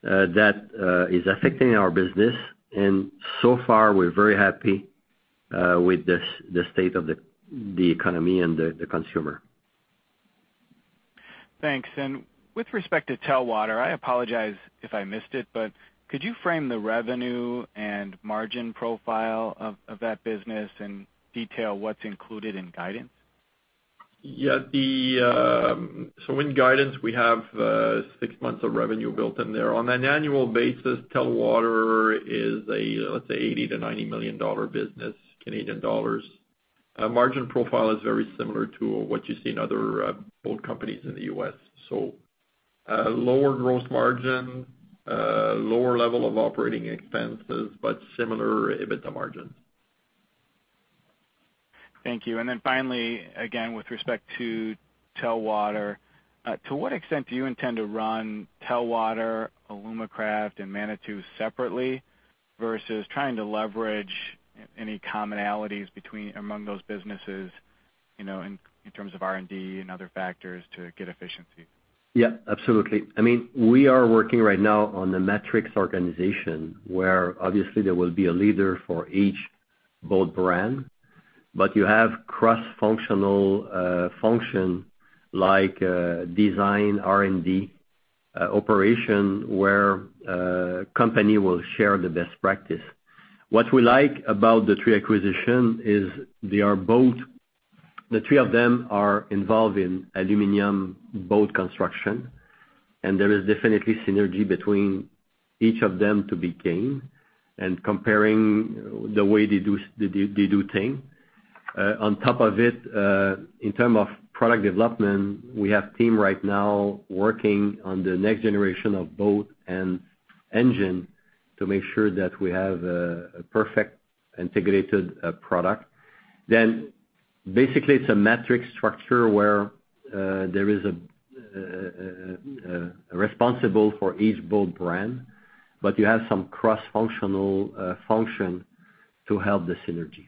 that is affecting our business. So far, we're very happy with the state of the economy and the consumer. Thanks. With respect to Telwater, I apologize if I missed it, could you frame the revenue and margin profile of that business and detail what's included in guidance? Yeah. So in guidance, we have six months of revenue built in there. On an annual basis, Telwater is a, let's say, 80 million-90 million dollar business, Canadian dollars. Margin profile is very similar to what you see in other boat companies in the U.S. So lower gross margin, lower level of operating expenses, but similar EBITDA margins. Thank you. Finally, again, with respect to Telwater, to what extent do you intend to run Telwater, Alumacraft, and Manitou separately versus trying to leverage any commonalities among those businesses, in terms of R&D and other factors to get efficiency? Yeah, absolutely. We are working right now on the metrics organization, where obviously there will be a leader for each boat brand, but you have cross-functional function like design, R&D, operation, where company will share the best practice. What we like about the three acquisitions is the three of them are involved in aluminum boat construction, there is definitely synergy between each of them to be gained and comparing the way they do things. On top of it, in terms of product development, we have team right now working on the next generation of boat and engine to make sure that we have a perfect integrated product. Basically it's a metric structure where there is a responsible for each boat brand, but you have some cross-functional function to help the synergy.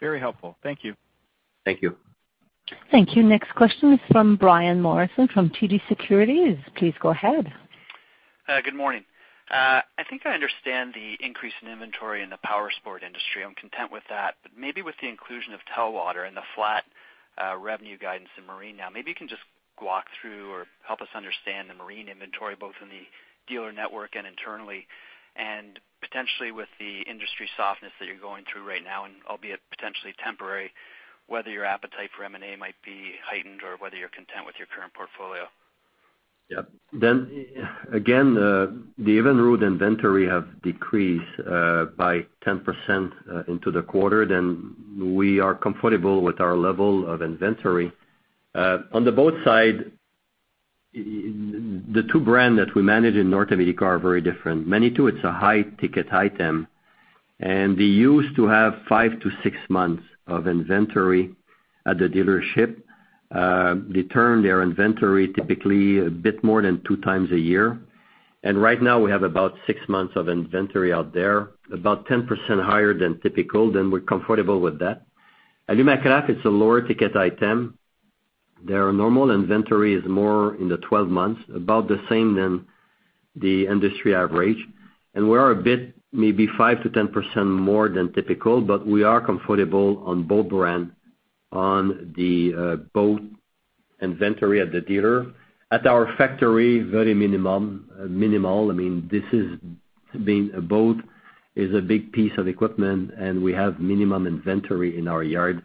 Very helpful. Thank you. Thank you. Thank you. Next question is from Brian Morrison from TD Securities. Please go ahead. Good morning. I think I understand the increase in inventory in the powersport industry. I'm content with that. Maybe with the inclusion of Telwater and the flat revenue guidance in marine now, maybe you can just walk through or help us understand the marine inventory, both in the dealer network and internally, and potentially with the industry softness that you're going through right now, and albeit potentially temporary, whether your appetite for M&A might be heightened or whether you're content with your current portfolio? Yep. Again, the Evinrude inventory have decreased by 10% into the quarter, then we are comfortable with our level of inventory. On the boat side, the two brands that we manage in North America are very different. Manitou, it's a high ticket item, and they used to have five to six months of inventory at the dealership. They turn their inventory typically a bit more than two times a year. Right now, we have about six months of inventory out there, about 10% higher than typical, and we're comfortable with that. Alumacraft is a lower ticket item. Their normal inventory is more in the 12 months, about the same than the industry average. We are a bit, maybe 5%-10% more than typical, but we are comfortable on both brands on the boat inventory at the dealer. At our factory, very minimal. A boat is a big piece of equipment, and we have minimum inventory in our yard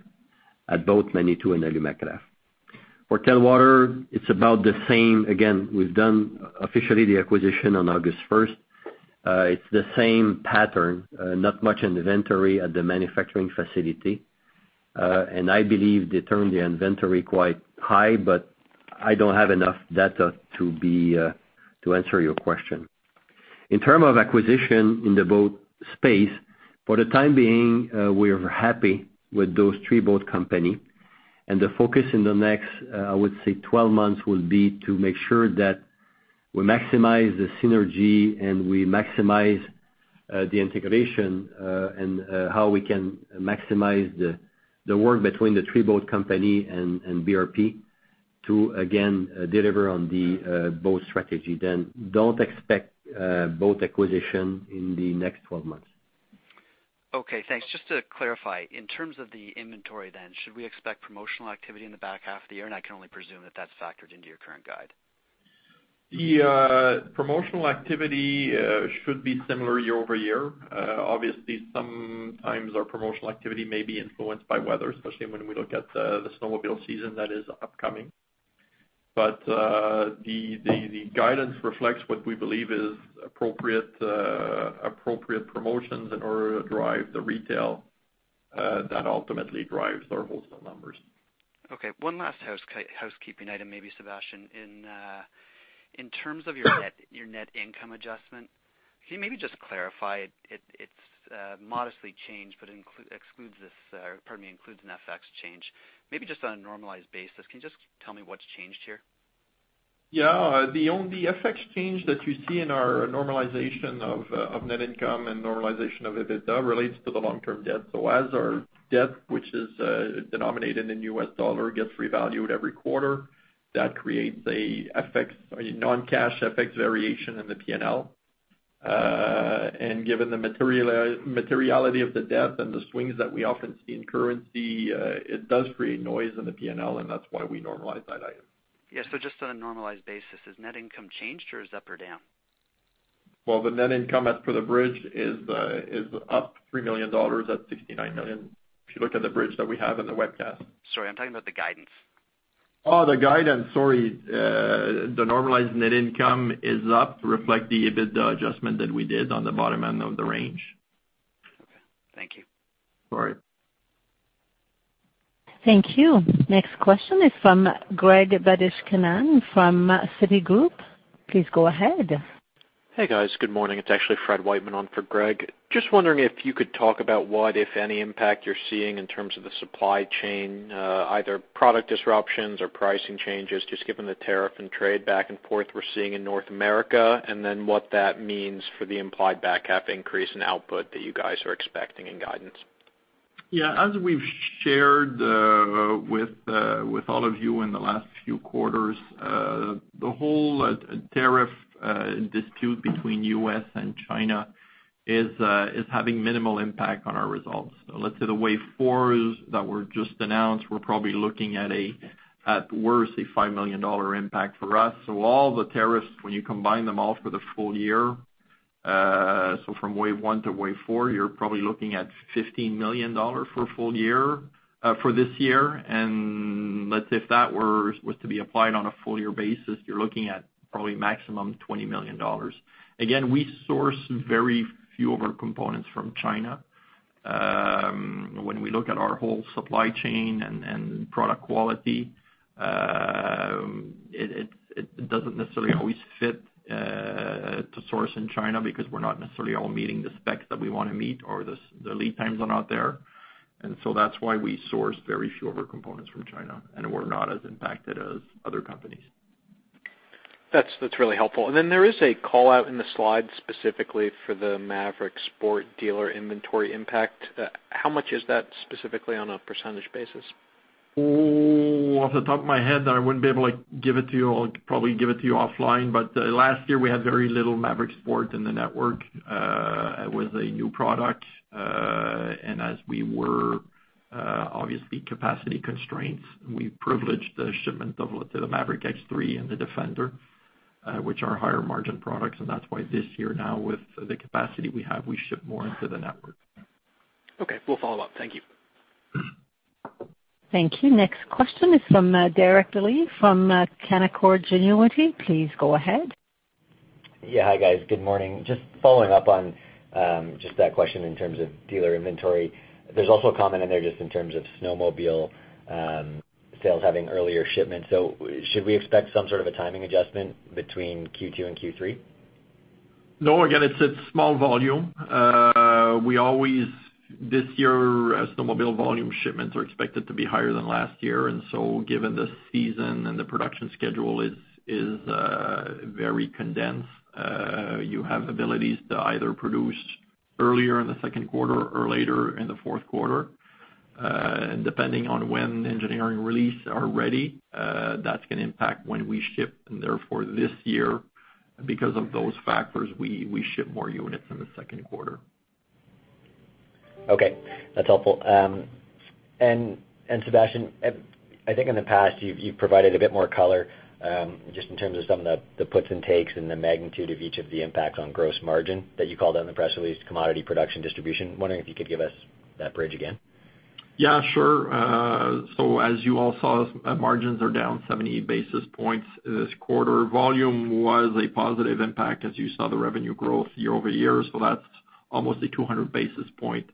at both Manitou and Alumacraft. For Telwater, it's about the same. We've done officially the acquisition on August 1st. It's the same pattern, not much inventory at the manufacturing facility. I believe they turn the inventory quite high, but I don't have enough data to answer your question. In terms of acquisition in the boat space, for the time being, we're happy with those three boat company and the focus in the next, I would say 12 months will be to make sure that we maximize the synergy and we maximize the integration, and how we can maximize the work between the three boat company and BRP to, again, deliver on the boat strategy. Don't expect boat acquisition in the next 12 months. Okay, thanks. Just to clarify, in terms of the inventory, should we expect promotional activity in the back half of the year? I can only presume that that's factored into your current guide. The promotional activity should be similar year-over-year. Obviously, sometimes our promotional activity may be influenced by weather, especially when we look at the snowmobile season that is upcoming. The guidance reflects what we believe is appropriate promotions in order to drive the retail that ultimately drives our wholesale numbers. Okay. One last housekeeping item, maybe, Sébastien. In terms of your net income adjustment, can you maybe just clarify? It's modestly changed, but includes an FX change. Maybe just on a normalized basis, can you just tell me what's changed here? Yeah. The only FX change that you see in our normalization of net income and normalization of EBITDA relates to the long term debt. As our debt, which is denominated in U.S. dollar, gets revalued every quarter, that creates a non-cash FX variation in the P&L. Given the materiality of the debt and the swings that we often see in currency, it does create noise in the P&L, and that's why we normalize that item. Yeah. Just on a normalized basis, has net income changed, or is it up or down? Well, the net income as per the bridge is up 3 million dollars at 69 million, if you look at the bridge that we have in the webcast. Sorry, I'm talking about the guidance. Oh, the guidance, sorry. The normalized net income is up to reflect the EBITDA adjustment that we did on the bottom end of the range. Okay. Thank you. Sorry. Thank you. Next question is from Gregory Badishkanian from Citigroup. Please go ahead. Hey, guys. Good morning. It's actually Fred Wightman on for Greg. Just wondering if you could talk about what, if any, impact you're seeing in terms of the supply chain, either product disruptions or pricing changes, just given the tariff and trade back and forth we're seeing in North America. What that means for the implied back half increase in output that you guys are expecting in guidance. Yeah. As we've shared with all of you in the last few quarters, the whole tariff dispute between U.S. and China is having minimal impact on our results. Let's say the wave 4s that were just announced, we're probably looking at worse, a 5 million dollar impact for us. All the tariffs, when you combine them all for the full year, from wave 1 to wave 4, you're probably looking at 15 million dollars for full year, for this year. Let's say if that was to be applied on a full year basis, you're looking at probably maximum 20 million dollars. Again, we source very few of our components from China. When we look at our whole supply chain and product quality, it doesn't necessarily always fit to source in China because we're not necessarily all meeting the specs that we want to meet or the lead times are not there. That's why we source very few of our components from China, and we're not as impacted as other companies. That's really helpful. There is a call-out in the slide specifically for the Maverick Sport dealer inventory impact. How much is that specifically on a percentage basis? Off the top of my head, I wouldn't be able to give it to you. I'll probably give it to you offline, but last year, we had very little Maverick Sport in the network. It was a new product, and as we were obviously capacity constraints, we privileged the shipment of the Maverick X3 and the Defender. Which are higher margin products, and that's why this year now, with the capacity we have, we ship more into the network. Okay. We'll follow up. Thank you. Thank you. Next question is from Derek Lee from Canaccord Genuity. Please go ahead. Yeah. Hi, guys. Good morning. Just following up on just that question in terms of dealer inventory. There's also a comment in there just in terms of snowmobile sales having earlier shipments. Should we expect some sort of a timing adjustment between Q2 and Q3? No, again, it's small volume. This year, our snowmobile volume shipments are expected to be higher than last year, given the season and the production schedule is very condensed. You have abilities to either produce earlier in the second quarter or later in the fourth quarter. Depending on when engineering release are ready, that's going to impact when we ship and therefore this year, because of those factors, we ship more units in the second quarter. Okay. That's helpful. Sébastien, I think in the past you've provided a bit more color, just in terms of some of the puts and takes and the magnitude of each of the impacts on gross margin that you called out in the press release, commodity production distribution. I'm wondering if you could give us that bridge again. Yeah, sure. As you all saw, margins are down 70 basis points this quarter. Volume was a positive impact as you saw the revenue growth year-over-year. That's almost a 200 basis points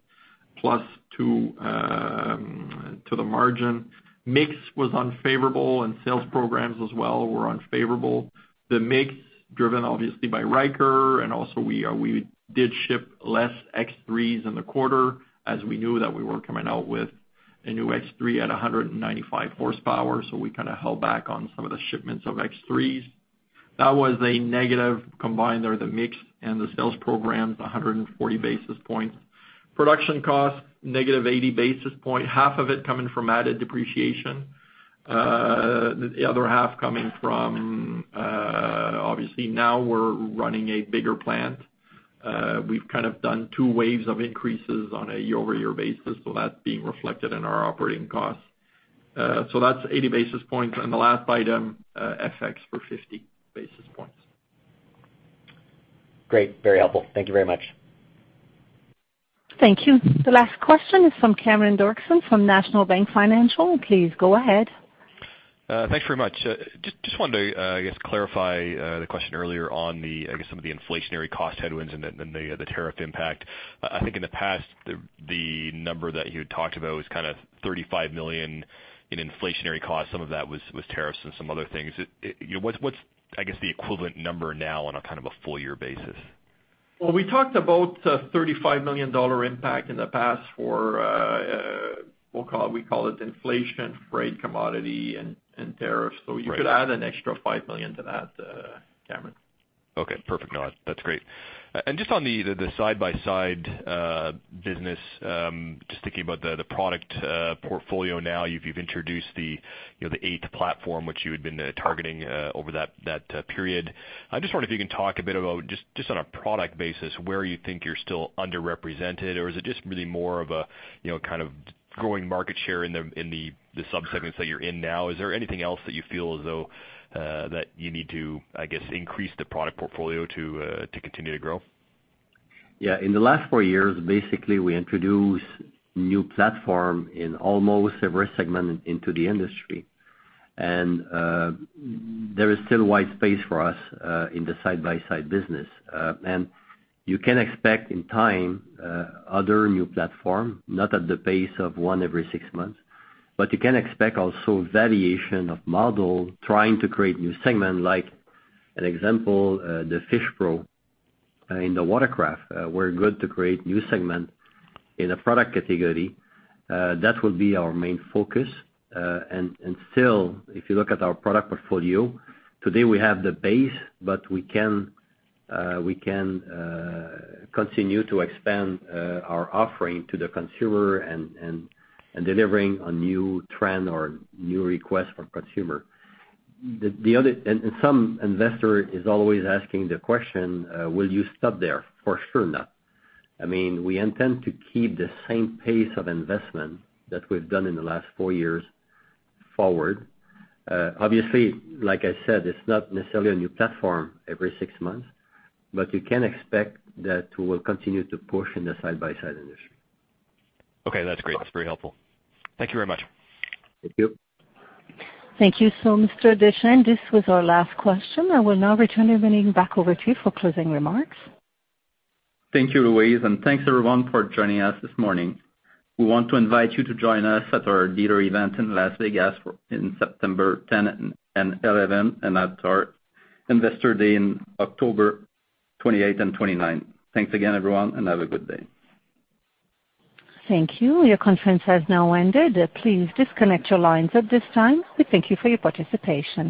plus to the margin. Mix was unfavorable and sales programs as well were unfavorable. The mix driven obviously by Ryker and also we did ship less X3s in the quarter as we knew that we were coming out with a new X3 at 195 horsepower, so we kind of held back on some of the shipments of X3s. That was a negative combined there, the mix and the sales programs, 140 basis points. Production cost, negative 80 basis points, half of it coming from added depreciation. The other half coming from, obviously now we're running a bigger plant. We've kind of done two waves of increases on a year-over-year basis, so that's being reflected in our operating costs. That's 80 basis points and the last item, FX for 50 basis points. Great. Very helpful. Thank you very much. Thank you. The last question is from Cameron Doerksen from National Bank Financial. Please go ahead. Thanks very much. Just wanted to clarify the question earlier on some of the inflationary cost headwinds and the tariff impact. I think in the past, the number that you had talked about was kind of 35 million in inflationary costs. Some of that was tariffs and some other things. What's the equivalent number now on a kind of a full year basis? Well, we talked about 35 million dollar impact in the past for, we call it inflation, freight, commodity, and tariffs. Right. You could add an extra 5 million to that, Cameron. Okay. Perfect, no, that's great. Just on the side-by-side business, just thinking about the product portfolio now. You've introduced the eighth platform, which you had been targeting over that period. I just wonder if you can talk a bit about just on a product basis, where you think you're still underrepresented or is it just really more of a kind of growing market share in the sub-segments that you're in now? Is there anything else that you feel as though, that you need to, I guess, increase the product portfolio to continue to grow? In the last four years, basically, we introduced new platform in almost every segment into the industry. There is still wide space for us in the side-by-side business. You can expect in time, other new platform, not at the pace of one every six months, but you can expect also variation of model trying to create new segment like an example, the Fish Pro in the watercraft. We're good to create new segment in a product category. That will be our main focus. Still, if you look at our product portfolio, today we have the base, but we can continue to expand our offering to the consumer and delivering a new trend or new request for consumer. Some investor is always asking the question, will you stop there? For sure not. We intend to keep the same pace of investment that we've done in the last four years forward. Obviously, like I said, it's not necessarily a new platform every six months. You can expect that we will continue to push in the side-by-side industry. Okay, that's great. That's very helpful. Thank you very much. Thank you. Thank you. Mr. Deschênes, this was our last question. I will now return the meeting back over to you for closing remarks. Thank you, Louise, and thanks everyone for joining us this morning. We want to invite you to join us at our dealer event in Las Vegas in September 10 and 11, and at our Investor Day in October 28 and 29. Thanks again, everyone, and have a good day. Thank you. Your conference has now ended. Please disconnect your lines at this time. We thank you for your participation.